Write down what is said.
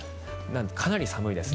かなり寒いです。